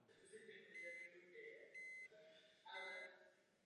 Ve videoklipu dominují taneční scény Margaret v doprovodu profesionálních tanečníků.